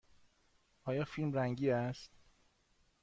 آیا فیلم رنگی است؟